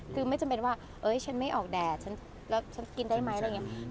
คือไม่จำเป็นว่าเอ้ยฉันไม่ออกแดดแล้วฉันกินได้มั้ยอะไรอย่างเงี้ย